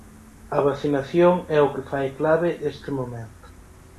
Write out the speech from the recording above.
A vacinación é o que fai clave este momento.